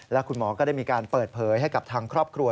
และคุณหมอก็ได้มีการเปิดเผยให้กับทางครอบครัว